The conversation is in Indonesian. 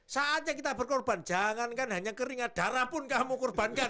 saatnya kita berkorban jangankan hanya keringat darah pun kamu korbankan